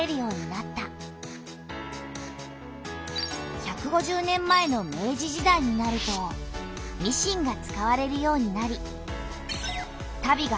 １５０年前の明治時代になるとミシンが使われるようになりたびが大量に生産された。